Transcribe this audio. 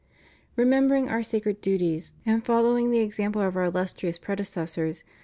Remembering Our sacred duties, and following the example of Our illustrious predecessors.